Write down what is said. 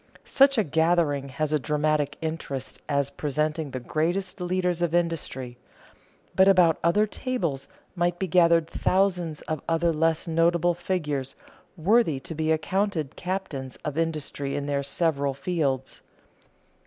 Such a gathering has a dramatic interest as presenting the greatest leaders of industry, but about other tables might be gathered thousands of other less notable figures worthy to be accounted captains of industry in their several fields.